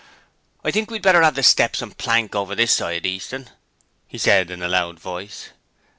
'I think we'd better 'ave the steps and the plank over this side, Easton,' he said in a loud voice.